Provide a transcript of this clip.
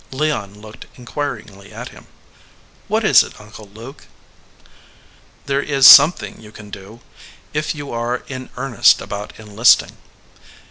Leon looked inquiringly at him. "What is it, Uncle Luke?" "There is something you can do, if you are in earnest about enlisting."